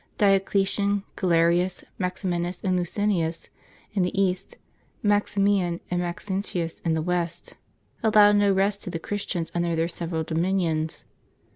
Dioclesian, Galerius, Maximinus, and Lucinius in the East, Maximian and Maxentius in the West, allowed no rest to the Chris tians under their several dominions.